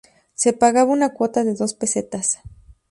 Se pagaba una cuota de dos pesetas.